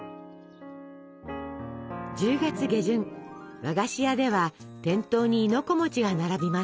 １０月下旬和菓子屋では店頭に亥の子が並びます。